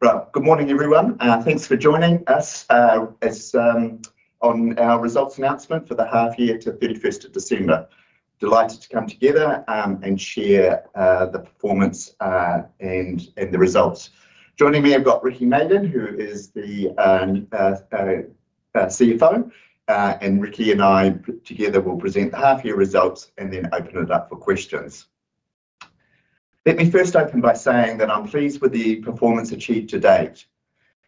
Right. Good morning, everyone, thanks for joining us, as on our results announcement for the half year to December 31st. Delighted to come together and share the performance and the results. Joining me, I've got Riki Maden, who is the CFO, and Riki and I together will present the half year results and then open it up for questions. Let me first open by saying that I'm pleased with the performance achieved to date.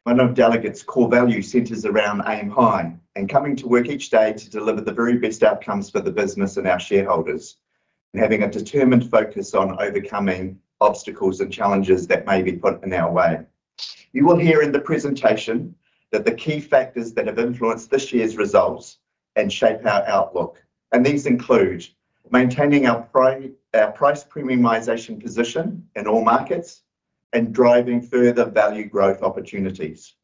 One of Delegat's core values centers around aim high and coming to work each day to deliver the very best outcomes for the business and our shareholders, and having a determined focus on overcoming obstacles and challenges that may be put in our way. You will hear in the presentation that the key factors that have influenced this year's results and shape our outlook, and these include maintaining our price premiumization position in all markets and driving further value growth opportunities.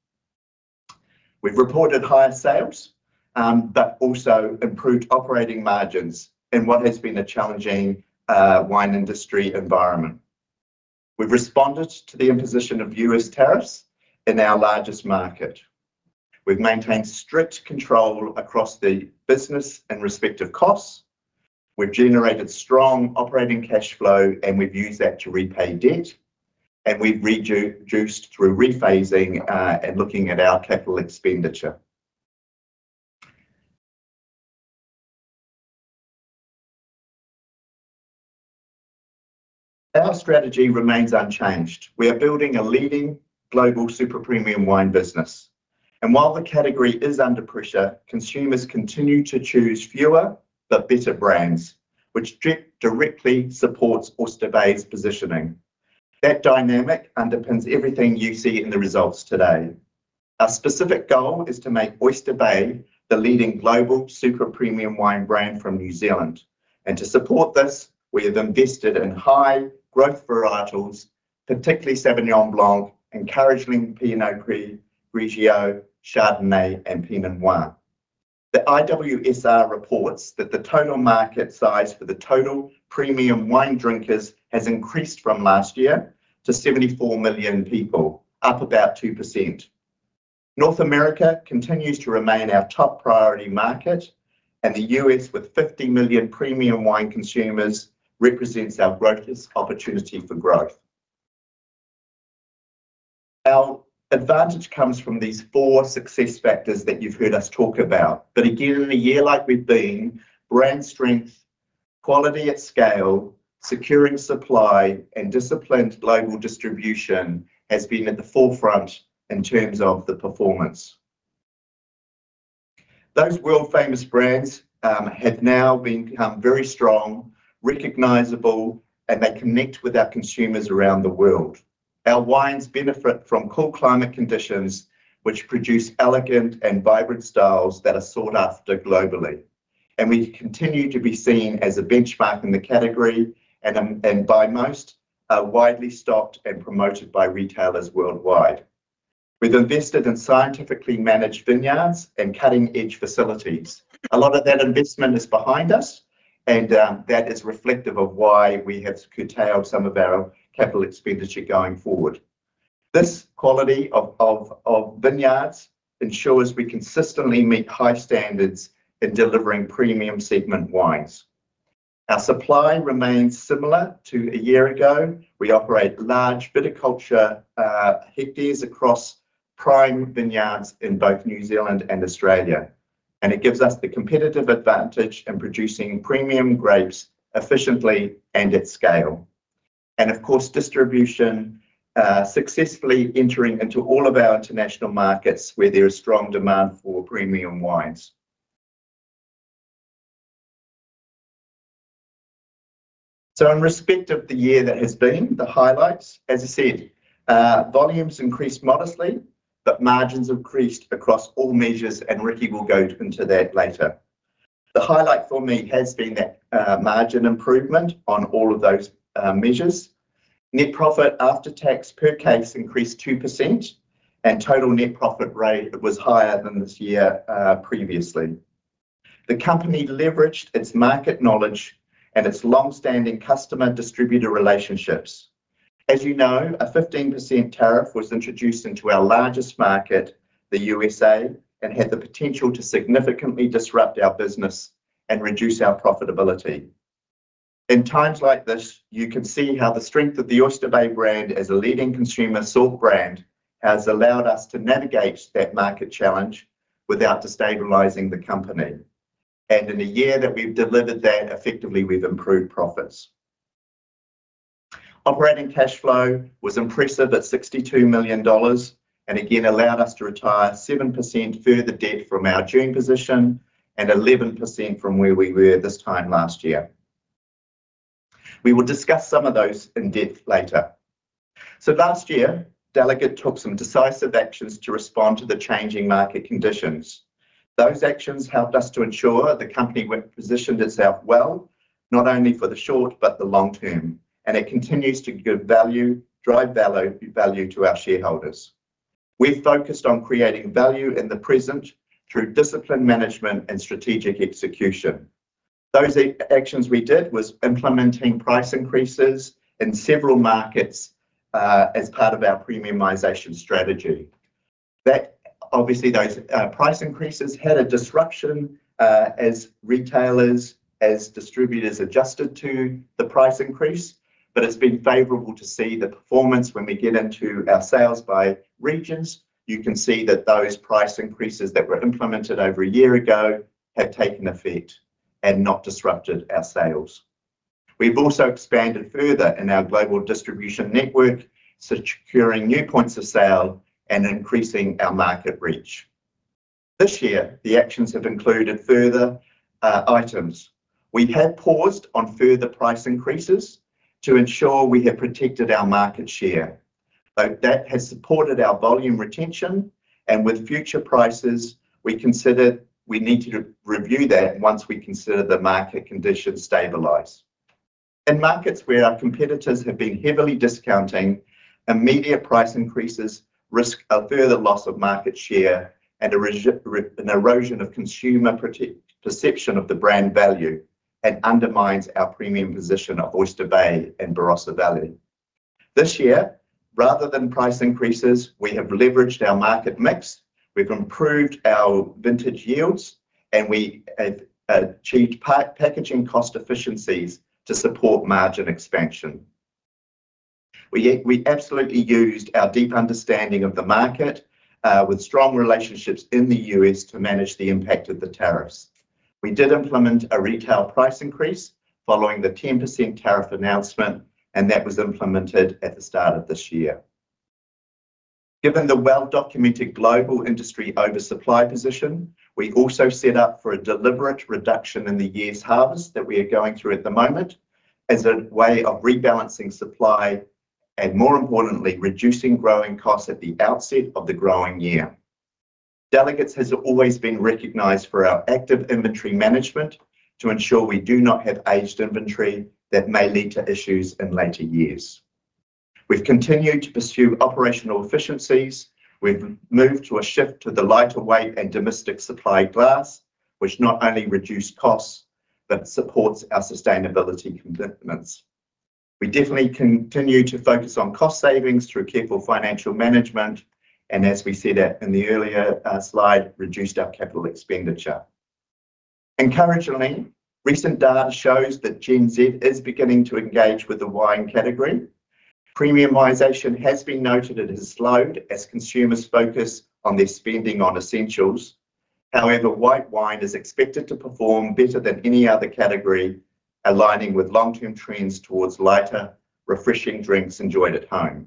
We've reported higher sales, but also improved operating margins in what has been a challenging wine industry environment. We've responded to the imposition of U.S. tariffs in our largest market. We've maintained strict control across the business and respective costs. We've generated strong operating cash flow, and we've used that to repay debt, and we've reduced through rephasing and looking at our capital expenditure. Our strategy remains unchanged. We are building a leading global super premium wine business, and while the category is under pressure, consumers continue to choose fewer but better brands, which directly supports Oyster Bay's positioning. That dynamic underpins everything you see in the results today. Our specific goal is to make Oyster Bay the leading global super premium wine brand from New Zealand, and to support this, we have invested in high growth varietals, particularly Sauvignon Blanc, and encouraging Pinot Grigio, Chardonnay, and Pinot Noir. The IWSR reports that the total market size for the total premium wine drinkers has increased from last year to 74 million people, up about 2%. North America continues to remain our top priority market, and the U.S., with 50 million premium wine consumers, represents our greatest opportunity for growth. Our advantage comes from these four success factors that you've heard us talk about. Again, in a year like we've been, brand strength, quality at scale, securing supply, and disciplined global distribution has been at the forefront in terms of the performance. Those world-famous brands have now become very strong, recognizable, and they connect with our consumers around the world. Our wines benefit from cool climate conditions, which produce elegant and vibrant styles that are sought after globally, and we continue to be seen as a benchmark in the category and by most, are widely stocked and promoted by retailers worldwide. We've invested in scientifically managed vineyards and cutting-edge facilities. A lot of that investment is behind us, and that is reflective of why we have curtailed some of our capital expenditure going forward. This quality of vineyards ensures we consistently meet high standards in delivering premium segment wines. Our supply remains similar to a year ago. We operate large viticulture hectares across prime vineyards in both New Zealand and Australia. It gives us the competitive advantage in producing premium grapes efficiently and at scale. Of course, distribution successfully entering into all of our international markets, where there is strong demand for premium wines. In respect of the year that has been, the highlights, as I said, volumes increased modestly, but margins increased across all measures, and Riki will go into that later. The highlight for me has been that margin improvement on all of those measures. Net profit after tax per case increased 2%, and total net profit rate was higher than this year previously. The company leveraged its market knowledge and its long-standing customer distributor relationships. As you know, a 15% tariff was introduced into our largest market, the USA, and had the potential to significantly disrupt our business and reduce our profitability. In times like this, you can see how the strength of the Oyster Bay brand as a leading consumer sought brand, has allowed us to navigate that market challenge without destabilizing the company, and in a year that we've delivered that, effectively, we've improved profits. Operating cash flow was impressive at 62 million dollars, and again, allowed us to retire 7% further debt from our June position and 11% from where we were this time last year. We will discuss some of those in depth later. Last year, Delegat took some decisive actions to respond to the changing market conditions. Those actions helped us to ensure the company positioned itself well, not only for the short, but the long term. It continues to drive value to our shareholders. We've focused on creating value in the present through disciplined management and strategic execution. Those actions we did was implementing price increases in several markets as part of our premiumization strategy. Obviously, those price increases had a disruption as retailers, as distributors adjusted to the price increase. It's been favorable to see the performance. When we get into our sales by regions, you can see that those price increases that were implemented over a year ago have taken effect and not disrupted our sales. We've also expanded further in our global distribution network, securing new points of sale and increasing our market reach. This year, the actions have included further items. We have paused on further price increases to ensure we have protected our market share. That has supported our volume retention, and with future prices, we consider we need to review that once we consider the market conditions stabilize. In markets where our competitors have been heavily discounting, immediate price increases risk a further loss of market share and an erosion of consumer perception of the brand value and undermines our premium position at Oyster Bay and Barossa Valley Estate. This year, rather than price increases, we have leveraged our market mix, we've improved our vintage yields, and we have achieved packaging cost efficiencies to support margin expansion. We absolutely used our deep understanding of the market, with strong relationships in the U.S. to manage the impact of the tariffs. We did implement a retail price increase following the 10% tariff announcement, and that was implemented at the start of this year. Given the well-documented global industry oversupply position, we also set up for a deliberate reduction in the year's harvest that we are going through at the moment as a way of rebalancing supply and, more importantly, reducing growing costs at the outset of the growing year. Delegat's has always been recognized for our active inventory management to ensure we do not have aged inventory that may lead to issues in later years. We've continued to pursue operational efficiencies. We've moved to a shift to the lighter weight and domestic supply glass, which not only reduce costs, but supports our sustainability commitments. We definitely continue to focus on cost savings through careful financial management, and as we said in the earlier slide, reduced our CapEx. Encouragingly, recent data shows that Gen Z is beginning to engage with the wine category. Premiumization has been noted it has slowed as consumers focus on their spending on essentials. White wine is expected to perform better than any other category, aligning with long-term trends towards lighter, refreshing drinks enjoyed at home.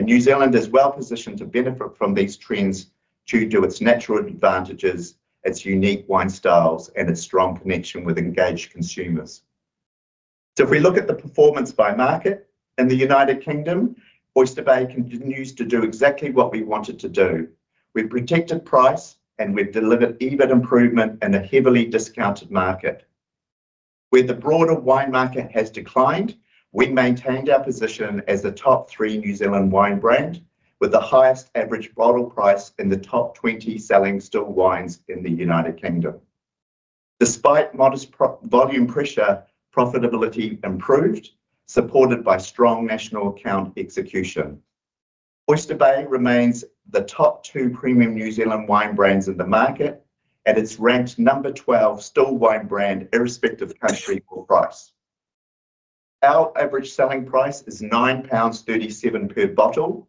New Zealand is well positioned to benefit from these trends due to its natural advantages, its unique wine styles, and its strong connection with engaged consumers. If we look at the performance by market, in the United Kingdom, Oyster Bay continues to do exactly what we want it to do. We've protected price, and we've delivered EBIT improvement in a heavily discounted market. Where the broader wine market has declined, we maintained our position as a top three New Zealand wine brand, with the highest average bottle price in the top 20 selling still wines in the United Kingdom. Despite modest volume pressure, profitability improved, supported by strong national account execution. Oyster Bay remains the top two premium New Zealand wine brands in the market, and it's ranked number 12 still wine brand, irrespective of country or price. Our average selling price is 9.37 pounds per bottle,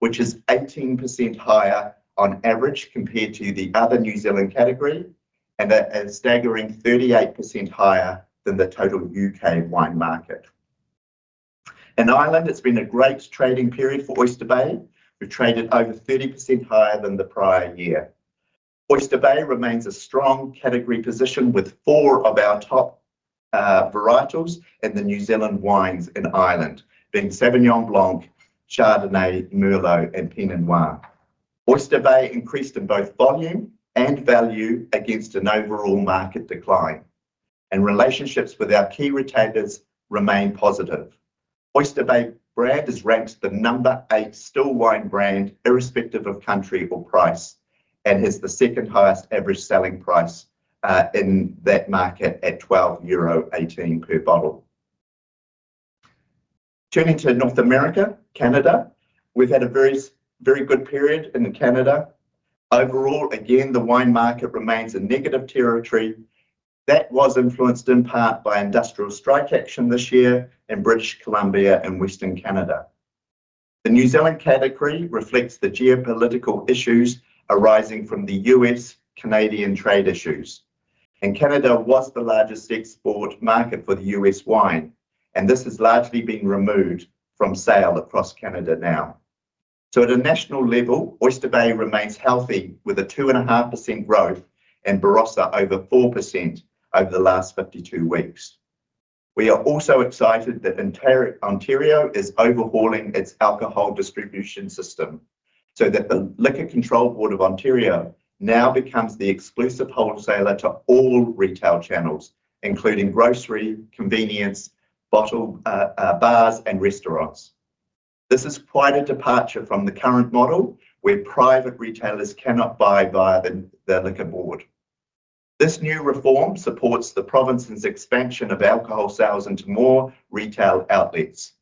which is 18% higher on average compared to the other New Zealand category, and a staggering 38% higher than the total U.K. wine market. In Ireland, it's been a great trading period for Oyster Bay. We've traded over 30% higher than the prior year. Oyster Bay remains a strong category position with four of our top varietals in the New Zealand wines in Ireland, being Sauvignon Blanc, Chardonnay, Merlot, and Pinot Noir. Oyster Bay increased in both volume and value against an overall market decline, and relationships with our key retailers remain positive. Oyster Bay brand is ranked the number eight still wine brand, irrespective of country or price, and has the second highest average selling price in that market at 12.18 euro per bottle. Turning to North America, Canada, we've had a very good period in Canada. Overall, again, the wine market remains in negative territory. That was influenced in part by industrial strike action this year in British Columbia and Western Canada. The New Zealand category reflects the geopolitical issues arising from the U.S.-Canadian trade issues. Canada was the largest export market for the U.S. wine, and this is largely being removed from sale across Canada now. At a national level, Oyster Bay remains healthy, with a 2.5% growth, and Barossa Valley Estate over 4% over the last 52 weeks. We are also excited that Ontario is overhauling its alcohol distribution system so that the Liquor Control Board of Ontario now becomes the exclusive wholesaler to all retail channels, including grocery, convenience, bottle, bars, and restaurants. This is quite a departure from the current model, where private retailers cannot buy via the Liquor Board. This new reform supports the province's expansion of alcohol sales into more retail outlets.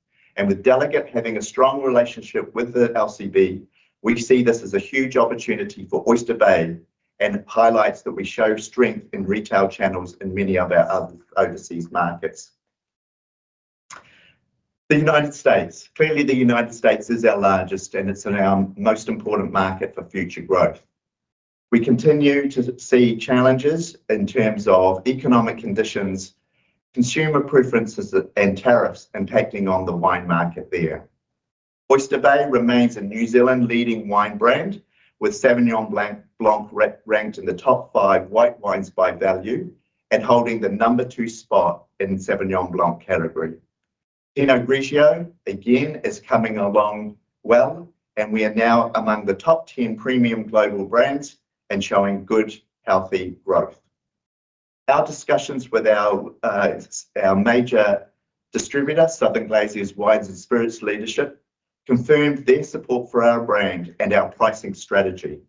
With Delegat having a strong relationship with the LCB, we see this as a huge opportunity for Oyster Bay. It highlights that we show strength in retail channels in many of our other overseas markets. The United States. Clearly, the United States is our largest, and it's our most important market for future growth. We continue to see challenges in terms of economic conditions, consumer preferences, and tariffs impacting on the wine market there. Oyster Bay remains a New Zealand leading wine brand, with Sauvignon Blanc ranked in the top five white wines by value and holding the number two spot in the Sauvignon Blanc category. Pinot Grigio, again, is coming along well. We are now among the top 10 premium global brands and showing good, healthy growth. Our discussions with our major distributor, Southern Glazer's Wine & Spirits leadership, confirmed their support for our brand and our pricing strategy.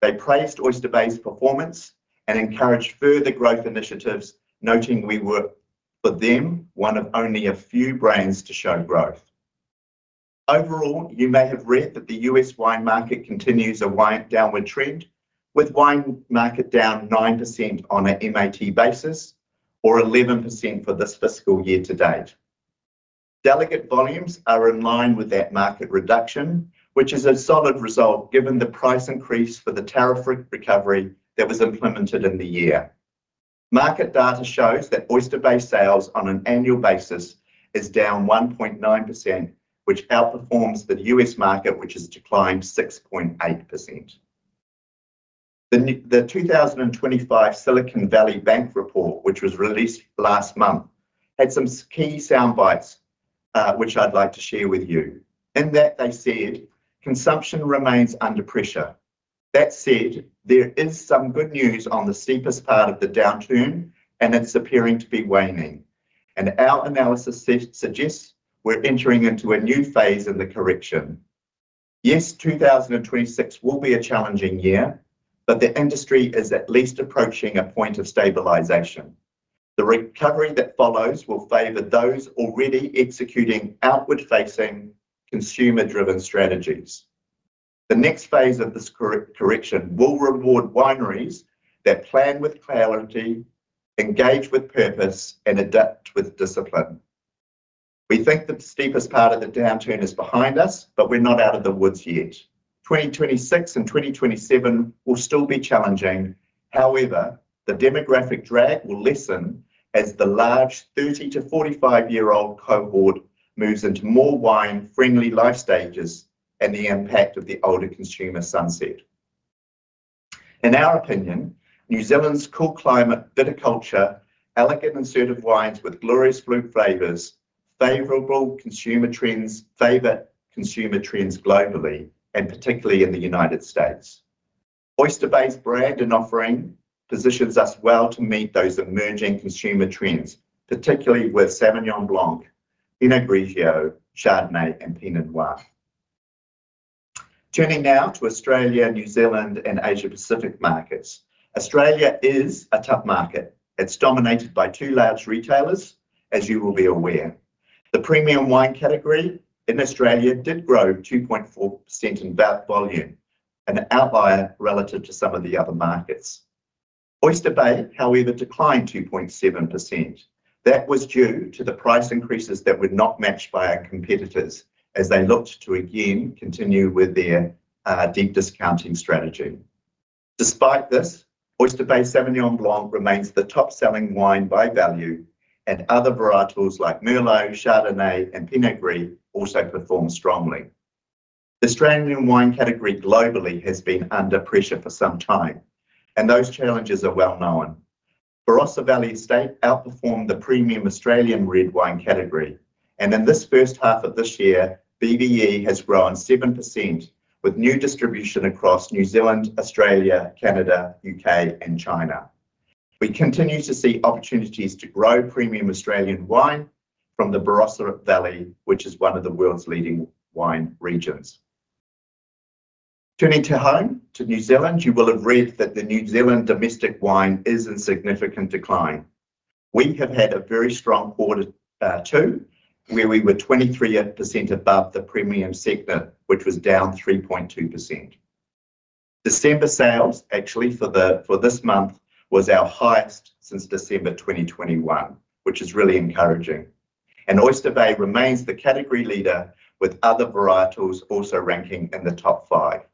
They praised Oyster Bay's performance and encouraged further growth initiatives, noting we were, for them, one of only a few brands to show growth. Overall, you may have read that the U.S. wine market continues a downward trend, with wine market down 9% on a MAT basis or 11% for this fiscal year to date. Delegat volumes are in line with that market reduction, which is a solid result given the price increase for the tariff recovery that was implemented in the year. Market data shows that Oyster Bay sales on an annual basis is down 1.9%, which outperforms the U.S. market, which has declined 6.8%. The 2025 Silicon Valley Bank report, which was released last month, had some key soundbites, which I'd like to share with you. In that they said, "Consumption remains under pressure. That said, there is some good news on the steepest part of the downturn, and it's appearing to be waning. Our analysis suggests we're entering into a new phase in the correction. Yes, 2026 will be a challenging year, but the industry is at least approaching a point of stabilization. The recovery that follows will favor those already executing outward-facing, consumer-driven strategies. The next phase of this correction will reward wineries that plan with clarity, engage with purpose, and adapt with discipline." We think the steepest part of the downturn is behind us, but we're not out of the woods yet. 2026 and 2027 will still be challenging. However, the demographic drag will lessen as the large 30 to 45-year-old cohort moves into more wine-friendly life stages and the impact of the older consumer sunset. In our opinion, New Zealand's cool climate, viticulture, elegant and assertive wines with glorious fruit flavors, favorable consumer trends globally, and particularly in the United States. Oyster Bay's brand and offering positions us well to meet those emerging consumer trends, particularly with Sauvignon Blanc, Pinot Grigio, Chardonnay, and Pinot Noir. Turning now to Australia, New Zealand, and Asia Pacific markets. Australia is a tough market. It's dominated by two large retailers, as you will be aware. The premium wine category in Australia did grow 2.4% in volume, an outlier relative to some of the other markets. Oyster Bay, however, declined 2.7%. That was due to the price increases that were not matched by our competitors as they looked to again continue with their deep discounting strategy. Despite this, Oyster Bay Sauvignon Blanc remains the top-selling wine by value, and other varietals like Merlot, Chardonnay, and Pinot Grigio also performed strongly. The Australian wine category globally has been under pressure for some time, and those challenges are well known. Barossa Valley Estate outperformed the premium Australian red wine category, and in this first half of this year, BVE has grown 7%, with new distribution across New Zealand, Australia, Canada, U.K., and China. We continue to see opportunities to grow premium Australian wine from the Barossa Valley, which is one of the world's leading wine regions. Turning to home, to New Zealand, you will have read that the New Zealand domestic wine is in significant decline. We have had a very strong quarter two, where we were 23% above the premium sector, which was down 3.2%. December sales, actually, for this month, was our highest since December 2021, which is really encouraging. Oyster Bay remains the category leader, with other varietals also ranking in the top five.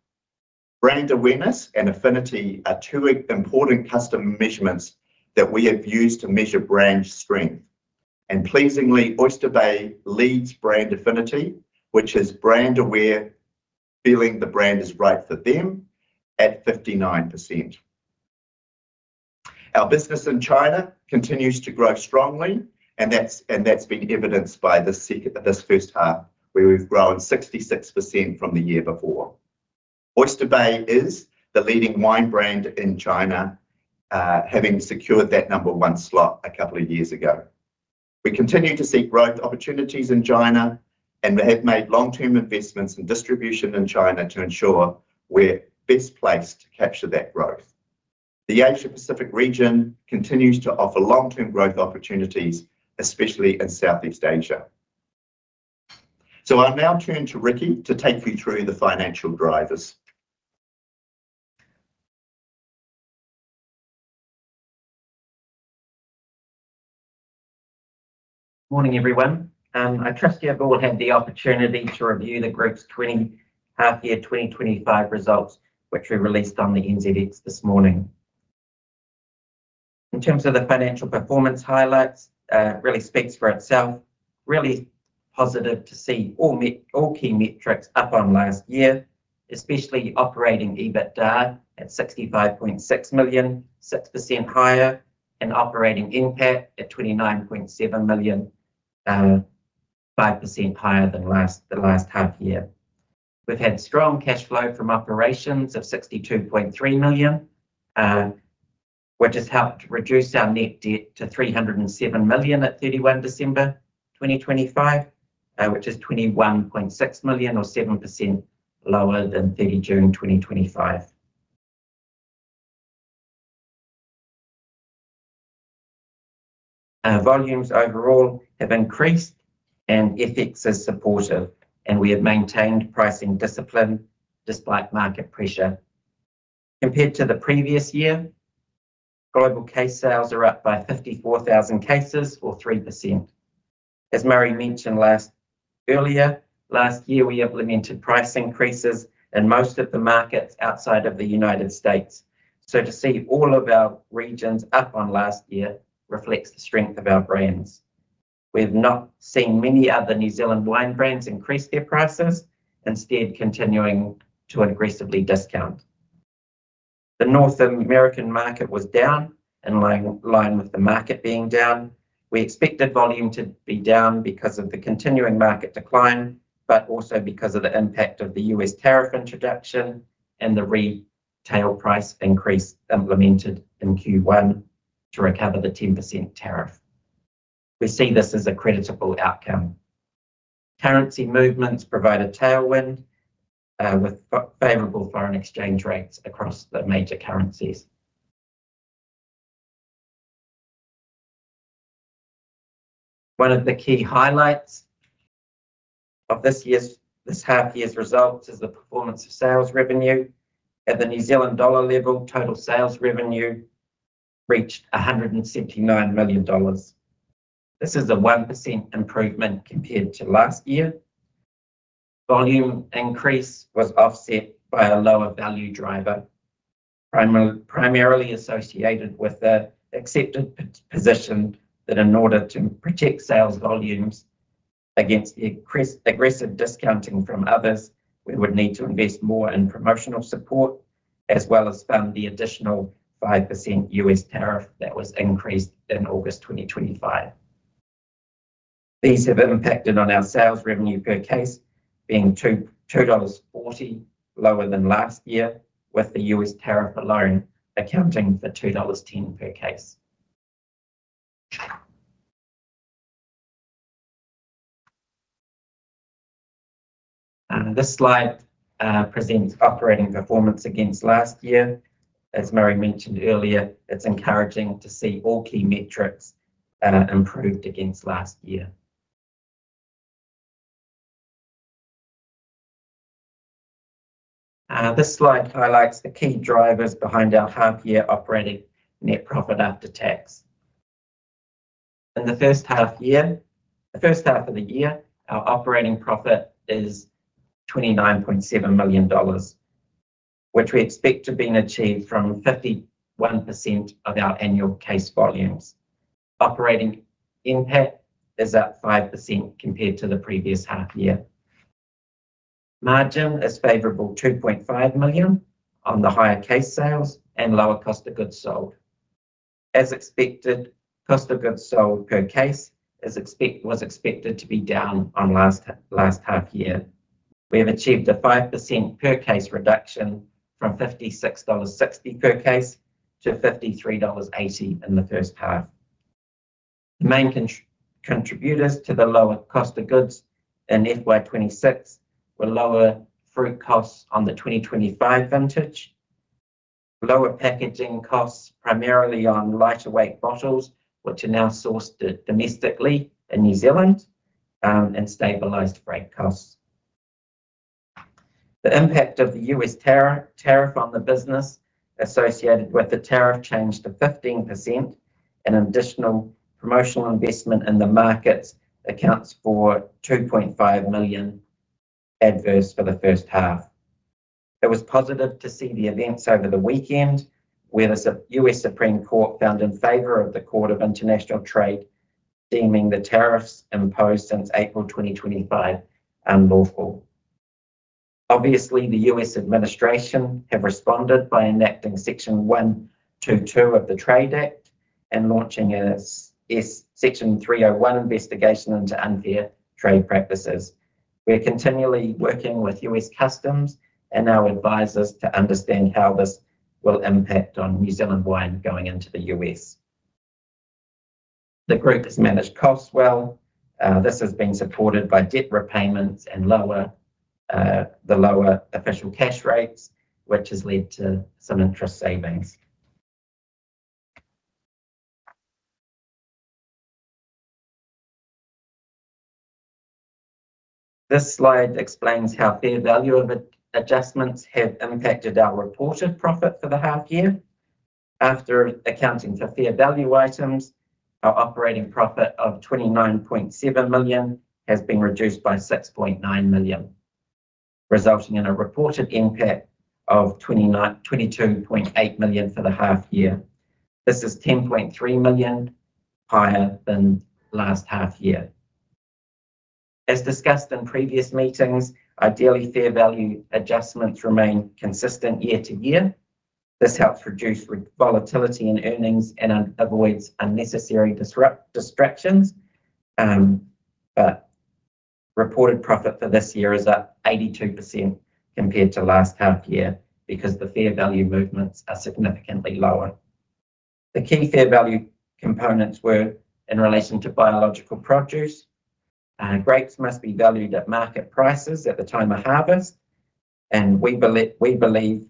Pleasingly, Oyster Bay leads brand affinity, which is brand aware, feeling the brand is right for them, at 59%. Our business in China continues to grow strongly. That's been evidenced by this first half, where we've grown 66% from the year before. Oyster Bay is the leading wine brand in China, having secured that number one slot a couple of years ago. We continue to seek growth opportunities in China and we have made long-term investments in distribution in China to ensure we're best placed to capture that growth. The Asia-Pacific region continues to offer long-term growth opportunities, especially in Southeast Asia. I'll now turn to Riki to take you through the financial drivers. Morning, everyone. I trust you have all had the opportunity to review the group's half year 2025 results, which we released on the NZX this morning. In terms of the financial performance highlights, really speaks for itself, really positive to see all key metrics up on last year, especially operating EBITDA at 65.6 million, 6% higher, and operating NPAT at 29.7 million, 5% higher than the last half year. We've had strong cash flow from operations of 62.3 million, which has helped reduce our net debt to 307 million on December 31, 2025, which is 21.6 million or 7% lower than June 30, 2025. Our volumes overall have increased and FX is supportive, and we have maintained pricing discipline despite market pressure. Compared to the previous year, global case sales are up by 54,000 cases or 3%. As Murray mentioned earlier, last year, we implemented price increases in most of the markets outside of the United States. To see all of our regions up on last year reflects the strength of our brands. We've not seen many other New Zealand wine brands increase their prices, instead continuing to aggressively discount. The North American market was down in line with the market being down. We expected volume to be down because of the continuing market decline, but also because of the impact of the U.S. tariff introduction and the retail price increase implemented in Q1 to recover the 10% tariff. We see this as a creditable outcome. Currency movements provide a tailwind with favorable foreign exchange rates across the major currencies. One of the key highlights of this year's, this half year's results is the performance of sales revenue. At the New Zealand dollar level, total sales revenue reached 179 million dollars. This is a 1% improvement compared to last year. Volume increase was offset by a lower value driver, primarily associated with the accepted position that in order to protect sales volumes against aggressive discounting from others, we would need to invest more in promotional support, as well as fund the additional 5% U.S. tariff that was increased in August 2025. These have impacted on our sales revenue per case, being 2.40 dollars lower than last year, with the U.S. tariff alone accounting for 2.10 dollars per case. This slide presents operating performance against last year. As Murray mentioned earlier, it's encouraging to see all key metrics improved against last year. This slide highlights the key drivers behind our half-year operating net profit after tax. In the first half of the year, our operating profit is 29.7 million dollars, which we expect to have been achieved from 51% of our annual case volumes. Operating NPAT is up 5% compared to the previous half year. Margin is favorable, 2.5 million on the higher case sales and lower Cost of Goods Sold. As expected, Cost of Goods Sold per case was expected to be down on last half year. We have achieved a 5% per case reduction from 56.60 dollars per case to 53.80 dollars in the first half. The main contributors to the lower cost of goods in FY26 were lower fruit costs on the 2025 vintage, lower packaging costs, primarily on lighter weight bottles, which are now sourced domestically in New Zealand, and stabilized freight costs. The impact of the U.S. tariff on the business associated with the tariff change to 15% and additional promotional investment in the markets accounts for 2.5 million adverse for the first half. It was positive to see the events over the weekend, where the U.S. Supreme Court found in favor of the Court of International Trade, deeming the tariffs imposed since April 2025 unlawful. The U.S. administration have responded by enacting Section 122 of the Trade Act and launching a Section 301 investigation into unfair trade practices. We're continually working with U.S. Customs and our advisors to understand how this will impact on New Zealand wine going into the U.S. The group has managed costs well. This has been supported by debt repayments and the lower official cash rates, which has led to some interest savings. This slide explains how fair value adjustments have impacted our reported profit for the half year. After accounting for fair value items, our operating profit of 29.7 million has been reduced by 6.9 million, resulting in a reported NPAT of 22.8 million for the half year. This is 10.3 million higher than last half year. As discussed in previous meetings, ideally, fair value adjustments remain consistent year to year. This helps reduce volatility in earnings and avoids unnecessary distractions. Reported profit for this year is up 82% compared to last half year because the fair value movements are significantly lower. The key fair value components were in relation to biological produce, and grapes must be valued at market prices at the time of harvest, and we believe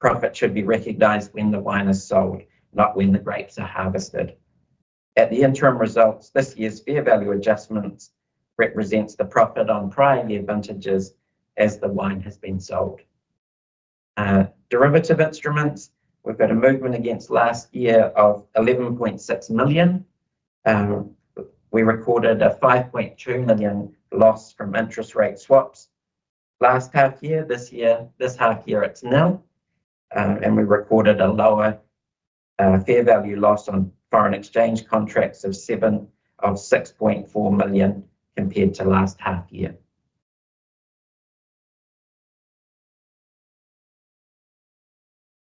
profit should be recognized when the wine is sold, not when the grapes are harvested. At the interim results, this year's fair value adjustments represents the profit on prior year vintages as the wine has been sold. Derivative instruments, we've got a movement against last year of 11.6 million. We recorded a 5.2 million loss from interest rate swaps last half year. This half year, it's nil. We recorded a lower fair value loss on foreign exchange contracts of 6.4 million compared to last half year.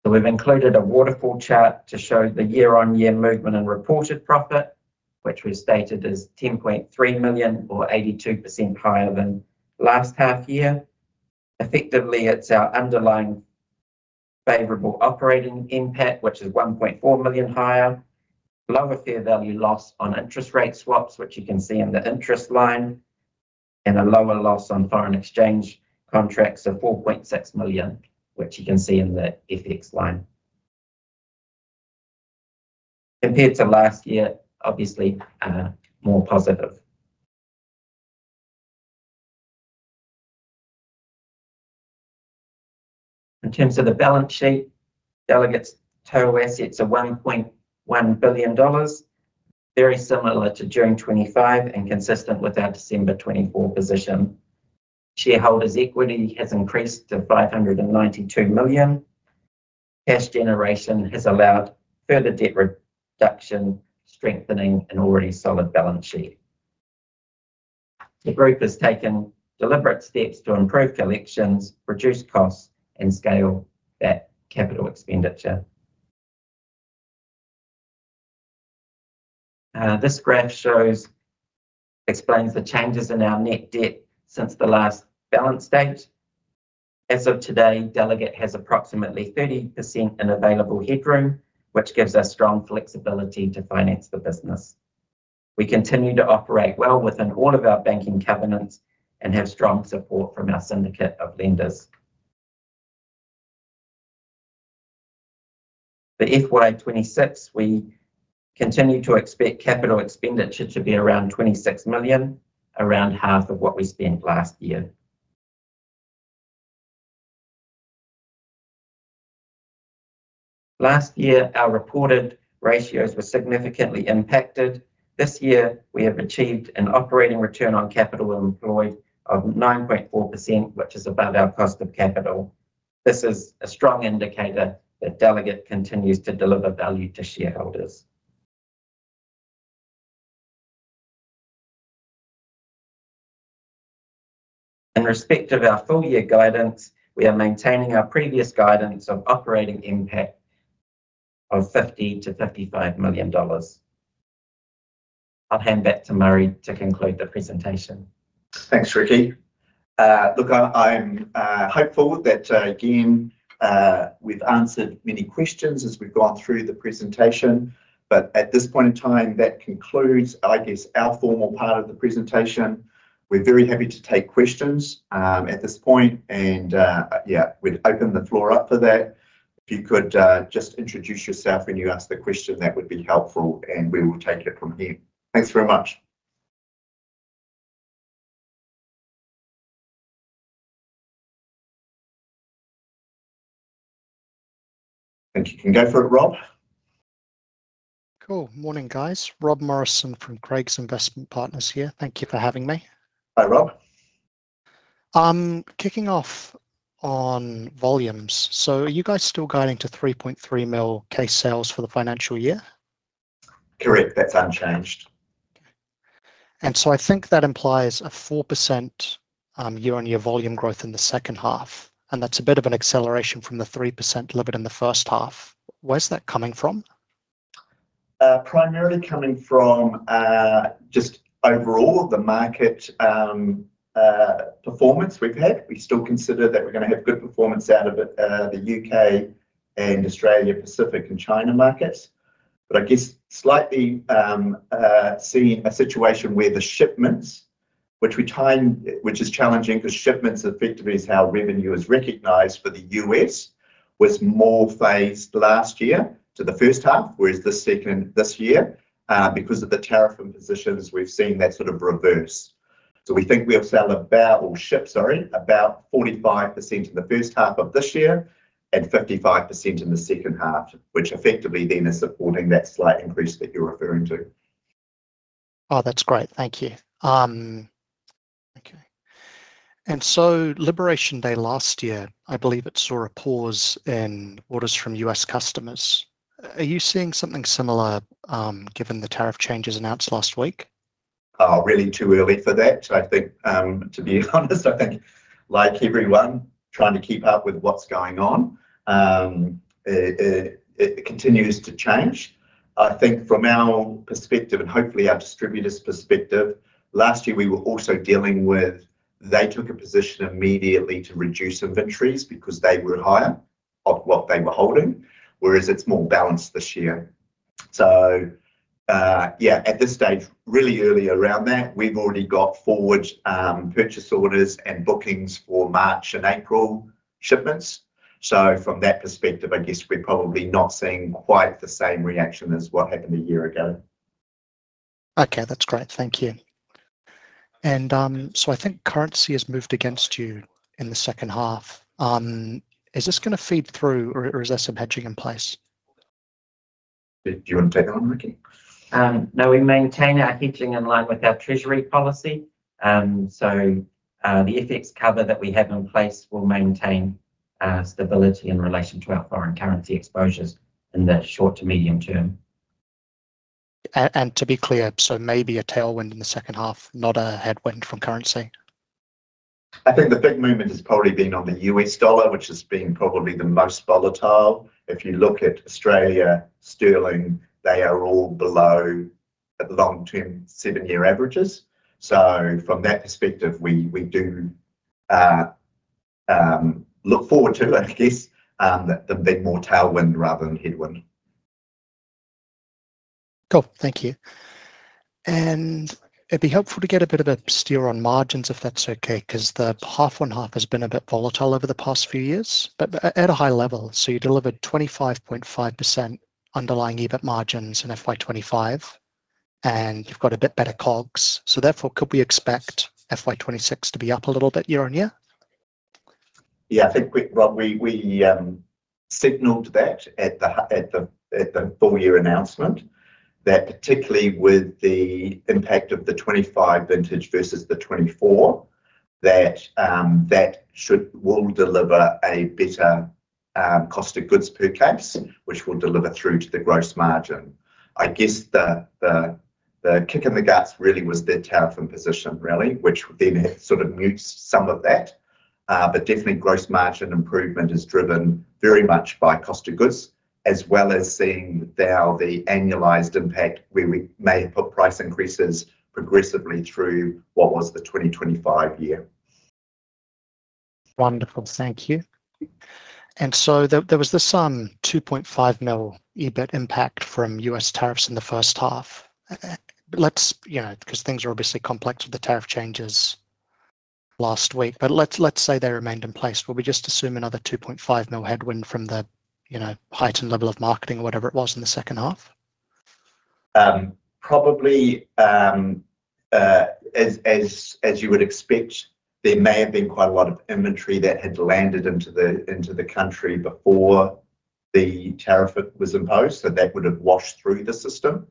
We've included a waterfall chart to show the year-on-year movement in reported profit, which was stated as 10.3 million, or 82% higher than last half year. Effectively, it's our underlying favorable operating NPAT, which is 1.4 million higher, lower fair value loss on interest rate swaps, which you can see in the interest line, and a lower loss on foreign exchange contracts of 4.6 million, which you can see in the FX line. Compared to last year, obviously, more positive. In terms of the balance sheet, Delegat's total assets are 1.1 billion dollars, very similar to June 2025 and consistent with our December 2024 position. Shareholders' equity has increased to 592 million. Cash generation has allowed further debt reduction, strengthening an already solid balance sheet. The group has taken deliberate steps to improve collections, reduce costs, and scale back capital expenditure. This graph shows, explains the changes in our net debt since the last balance date. As of today, Delegat has approximately 30% in available headroom, which gives us strong flexibility to finance the business. We continue to operate well within all of our banking covenants and have strong support from our syndicate of lenders. For FY 2026, we continue to expect capital expenditure to be around 26 million, around half of what we spent last year. Last year, our reported ratios were significantly impacted. This year, we have achieved an operating return on capital employed of 9.4%, which is above our cost of capital. This is a strong indicator that Delegat continues to deliver value to shareholders. In respect of our full year guidance, we are maintaining our previous guidance of operating NPAT of 50 million-55 million dollars. I'll hand back to Murray to conclude the presentation. Thanks, Riki. Look, I'm hopeful that, again, we've answered many questions as we've gone through the presentation. At this point in time, that concludes, I guess, our formal part of the presentation. We're very happy to take questions, at this point, and, yeah, we'd open the floor up for that. If you could, just introduce yourself when you ask the question, that would be helpful, and we will take it from here. Thanks very much. Thank you. You can go for it, Rob. Cool. Morning, guys. Rob Morrison from Craigs Investment Partners here. Thank you for having me. Hi, Rob. Kicking off on volumes, are you guys still guiding to 3.3 million case sales for the financial year? Correct, that's unchanged. I think that implies a 4% year-on-year volume growth in the second half, and that's a bit of an acceleration from the 3% delivered in the first half. Where's that coming from? Primarily coming from just overall, the market, performance we've had. We still consider that we're gonna have good performance out of it, the U.K. and Australia, Pacific and China markets. I guess slightly seeing a situation where the shipments, which we time, which is challenging, 'cause shipments effectively is how revenue is recognized for the U.S., was more phased last year to the first half, whereas this second this year, because of the tariff and positions, we've seen that sort of reverse. We think we have sold about or shipped, sorry, about 45% in the first half of this year and 55% in the second half, which effectively then is supporting that slight increase that you're referring to. Oh, that's great. Thank you. Okay. Liberation Day last year, I believe it saw a pause in orders from U.S. customers. Are you seeing something similar, given the tariff changes announced last week? Really too early for that. I think, to be honest, I think like everyone, trying to keep up with what's going on. It continues to change. I think from our perspective and hopefully our distributors' perspective, last year we were also dealing with, they took a position immediately to reduce inventories because they were higher of what they were holding, whereas it's more balanced this year. Yeah, at this stage, really early around that, we've already got forward purchase orders and bookings for March and April shipments. From that perspective, I guess we're probably not seeing quite the same reaction as what happened a year ago. Okay, that's great. Thank you. I think currency has moved against you in the second half. Is this gonna feed through or is there some hedging in place? Do you want to take that one, Riki? No, we maintain our hedging in line with our treasury policy. The FX cover that we have in place will maintain stability in relation to our foreign currency exposures in the short to medium term. To be clear, maybe a tailwind in the second half, not a headwind from currency? I think the big movement has probably been on the U.S. dollar, which has been probably the most volatile. If you look at Australia, Sterling, they are all below the long-term seven-year averages. From that perspective, we do look forward to, I guess, there being more tailwind rather than headwind. Cool. Thank you. It'd be helpful to get a bit of a steer on margins, if that's okay, 'cause the half on half has been a bit volatile over the past few years, but at a high level. You delivered 25.5% underlying EBIT margins in FY 2025, and you've got a bit better COGS. Therefore, could we expect FY 2026 to be up a little bit year on year? Yeah, I think we, Rob, we signaled that at the full year announcement, that particularly with the impact of the 2025 vintage versus the 2024, that will deliver a better cost of goods per case, which will deliver through to the gross margin. I guess the kick in the guts really was the tariff and position really, which then sort of mutes some of that. Definitely gross margin improvement is driven very much by cost of goods, as well as seeing now the annualized impact where we may put price increases progressively through what was the 2025 year. Wonderful. Thank you. There was the some 2.5 million EBIT impact from U.S. tariffs in the first half. Let's, you know, 'cause things are obviously complex with the tariff changes last week, but let's say they remained in place. Will we just assume another 2.5 million headwind from the, you know, heightened level of marketing or whatever it was in the second half? Probably, as you would expect, there may have been quite a lot of inventory that had landed into the country before the tariff was imposed, so that would have washed through the system.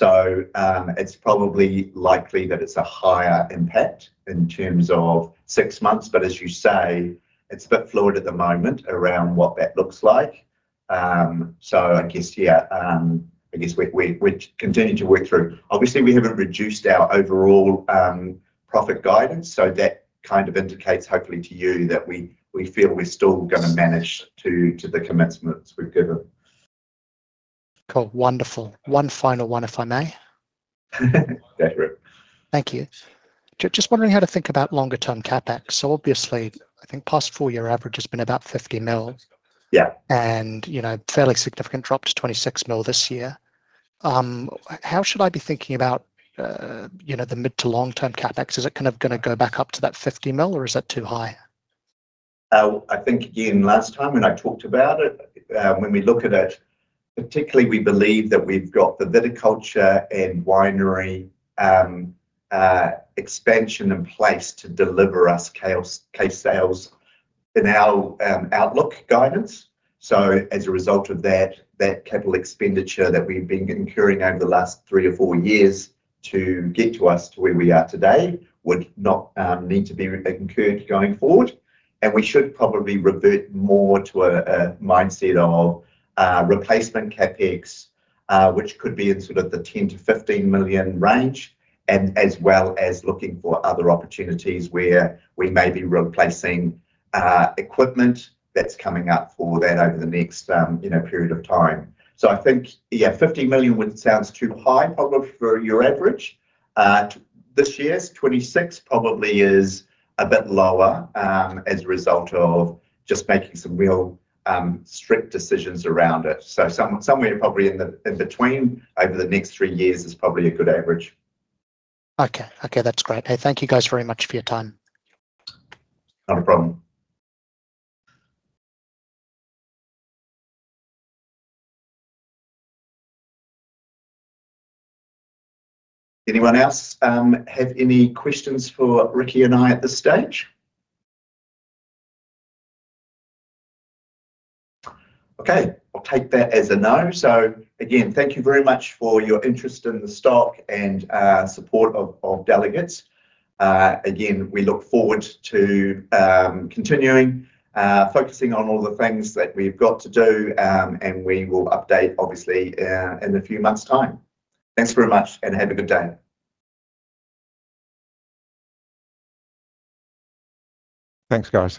It's probably likely that it's a higher impact in terms of six months, but as you say, it's a bit fluid at the moment around what that looks like. I guess, yeah, I guess we're continuing to work through. Obviously, we haven't reduced our overall profit guidance, so that kind of indicates hopefully to you that we feel we're still gonna manage to the commitments we've given. Cool. Wonderful. One final one, if I may? Go through. Thank you. Just wondering how to think about longer-term CapEx. Obviously, I think past four-year average has been about 50 million. Yeah. You know, fairly significant drop to 26 million this year. How should I be thinking about, you know, the mid to long-term CapEx? Is it kind of gonna go back up to that 50 million, or is that too high? I think again, last time when I talked about it, when we look at it, particularly, we believe that we've got the viticulture and winery expansion in place to deliver us case sales in our outlook guidance. As a result of that capital expenditure that we've been incurring over the last three or four years to get to us to where we are today, would not need to be incurred going forward. We should probably revert more to a mindset of replacement CapEx, which could be in sort of the 10 million-15 million range, and as well as looking for other opportunities where we may be replacing equipment that's coming up for that over the next, you know, period of time. I think, yeah, 50 million would sounds too high, probably for your average. This year's 26 million probably is a bit lower, as a result of just making some real, strict decisions around it. Somewhere probably in the, in between over the next three years is probably a good average. Okay. Okay, that's great. Hey, thank you, guys, very much for your time. Not a problem. Anyone else have any questions for Riki and I at this stage? I'll take that as a no. Again, thank you very much for your interest in the stock and support of Delegat's. Again, we look forward to continuing focusing on all the things that we've got to do, we will update, obviously, in a few months' time. Thanks very much, have a good day. Thanks, guys.